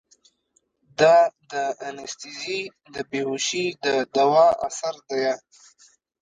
دا د انستيزي د بېهوشي د دوا اثر ديه.